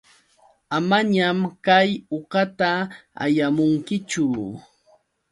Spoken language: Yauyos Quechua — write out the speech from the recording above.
Amañam kay uqata allamunkichu.